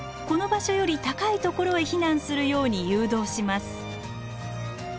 この場所より高いところへ避難するように誘導します。